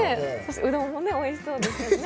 うどんもおいしそうでしたよね。